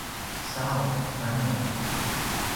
sau kanu